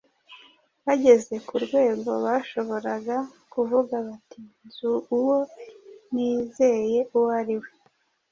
Bageze ku rwego bashoboraga kuvuga bati, “Nzi uwo nizeye uwo ari we.